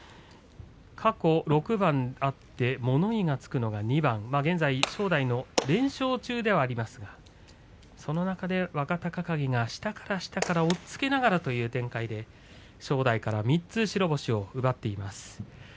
過去６番あって物言いがつくのが２番正代の連勝中ではありますがその中で若隆景が下から下から押っつけながらという展開で正代から３つ白星を奪っています。